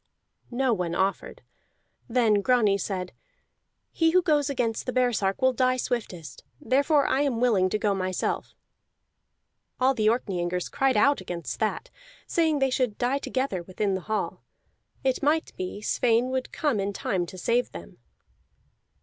No one offered. Then Grani said: "He who goes against the baresark will die swiftest, therefore I am willing to go myself." All the Orkneyingers cried out against that, saying they should die together within the hall; it might be Sweyn would come in time to save them.